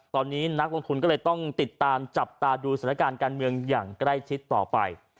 ตอนนี้นักลงทุนก็เลยต้องติดตามจับตาดูสถานการณ์การเมืองอย่างใกล้ชิดต่อไป